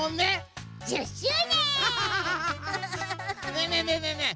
ねえねえねえねえねえ